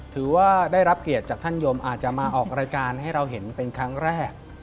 ถือว่าได้รับเกียรติจากท่านยมอาจจะมาออกรายการให้เราเห็นเป็นครั้งแรก